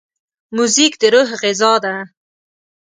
موزیک د روح غذا ده.